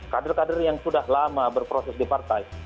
kader kader yang sudah lama berproses di partai